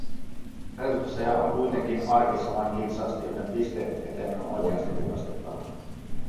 Resursseja on kuitenkin arkissa vain kitsaasti, joten pisteiden eteen on oikeasti uurastettava.